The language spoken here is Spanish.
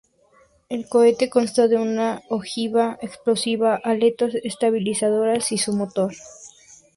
El cohete consta de una ojiva explosiva, aletas estabilizadoras y su motor.